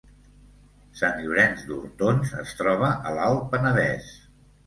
Sant Llorenç d’Hortons es troba a l’Alt Penedès